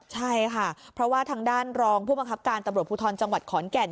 ใช่ค่ะเพราะว่าทางด้านรองผู้บังคับการตำรวจภูทรจังหวัดขอนแก่น